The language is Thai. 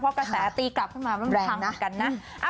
เพราะว่ากระแสตีกลับเข้ามามันทำเหมือนกันนะ